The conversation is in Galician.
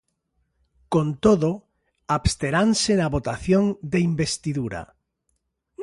Con todo, absteranse na votación de investidura.